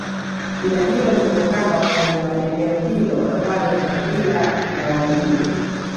jina hilo limetokana wakazi wa eneo hilo ambalo ni kabika la waluguru